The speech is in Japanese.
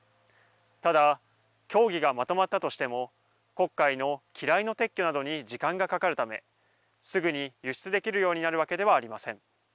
ただ、協議がまとまったとしても黒海の機雷の撤去などに時間がかかるためすぐに輸出できるようになるわけではありません。